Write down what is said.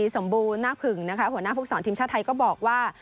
สมบูรณ์หน้าผึ่งนะคะหัวหน้าภูมิสอนทีมชาติไทยก็บอกว่า